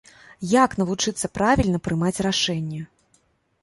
Як навучыцца правільна прымаць рашэнні?